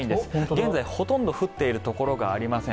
現在、ほとんど降っているところがありません。